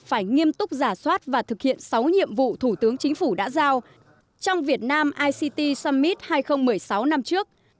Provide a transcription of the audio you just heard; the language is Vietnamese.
phải nghiêm túc giả soát và thực hiện sáu nhiệm vụ thủ tướng chính phủ đã giao trong việt nam ict summit hai nghìn một mươi sáu năm trước